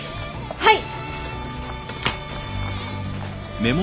はい！